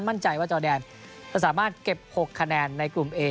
มั่นใจว่าจอแดนจะสามารถเก็บ๖คะแนนในกลุ่มเอ